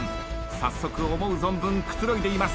早速思う存分くつろいでいます。